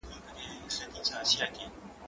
زه پرون ليکنې کوم؟!